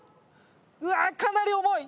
うわかなり重い！